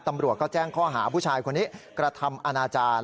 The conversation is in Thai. ตำรวจก็แจ้งข้อหาผู้ชายคนนี้กระทำอนาจารย์